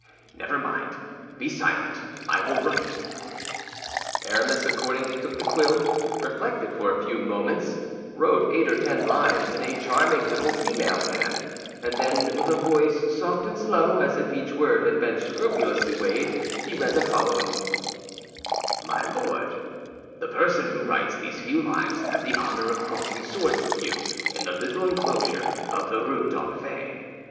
Never mind! Be silent, I will write." Aramis accordingly took the quill, reflected for a few moments, wrote eight or ten lines in a charming little female hand, and then with a voice soft and slow, as if each word had been scrupulously weighed, he read the following: "My Lord, The person who writes these few lines had the honor of crossing swords with you in the little enclosure of the Rue d'Enfer.